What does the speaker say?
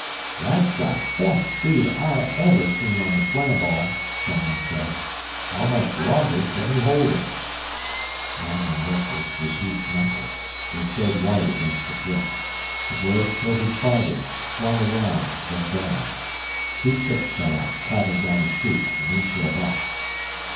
"That's the best speed I ever seen on the Slam ball," someone said. "How much longer can he hold it?" Magnan looked at Retief's knuckles. They showed white against the grip. The globe tilted farther, swung around, then down; two chips fell out, clattered down a chute and into a box.